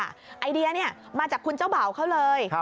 ไอเดียมาจากคุณเจ้าบ่าวเขาเลย